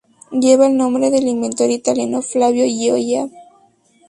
Lleva el nombre del inventor italiano Flavio Gioia.